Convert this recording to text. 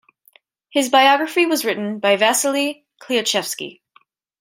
His biography was written by Vasily Klyuchevsky.